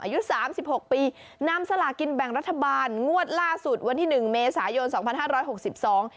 อายุสามสิบหกปีนำสลากินแบ่งรัฐบาลงวดล่าสุดวันที่หนึ่งเมษายนสองพันห้าร้อยหกสิบสอง